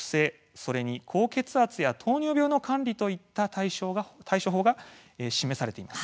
それに高血圧や糖尿病の管理といった対処法が示されています。